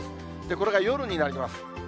これが夜になります。